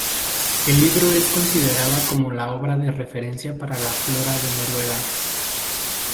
El libro es considerada como la obra de referencia para la flora de Noruega.